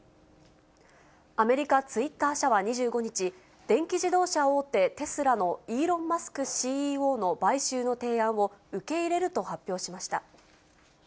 アメリカ、ツイッター社は２５日、電気自動車大手、テスラのイーロン・マスクＣＥＯの買収の提案を受け入れると発表しました。